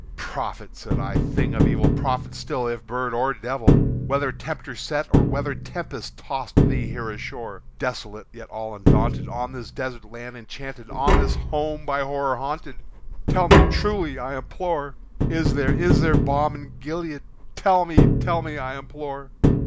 "Prophet!" said I, "thing of evil! prophet still, if bird or devil! Whether Tempter sent, or whether tempest tossed thee here ashore, Desolate yet all undaunted, on this desert land enchanted On this home by Horror haunted tell me truly, I implore Is there is there balm in Gilead? tell me tell me, I implore!"